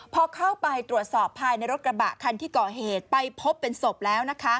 พอเข้าไปตรวจสอบภายในรถกระบะคันที่ก่อเหตุไปพบเป็นศพแล้ว